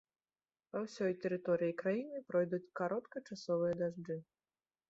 Па ўсёй тэрыторыі краіны пройдуць кароткачасовыя дажджы.